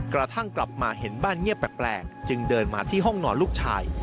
กระทั่งกลับมาเห็นบ้านเงียบแปลกจึงเดินมาที่ห้องนอนลูกชาย